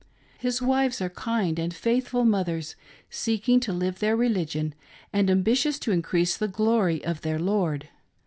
His wives are kind and faithful mothers, seeking to live their religion and ambitious to increase the glory of their Lord.